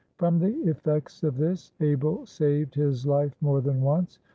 From the effects of this, Abel saved his life more than once.